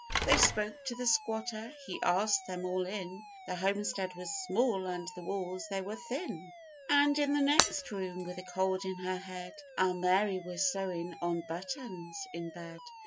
They spoke to the squatter: he asked them all in. The homestead was small and the walls they were thin; And in the next room, with a cold in her head, Our Mary was sewing on buttons in bed.